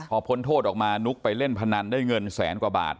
พอพ้นโทษออกมานุ๊กไปเล่นพนันได้เงินแสนกว่าบาท